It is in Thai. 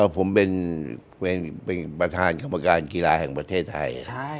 ผมเป็นประธานกรรมการกีฬาแห่งประเทศไทย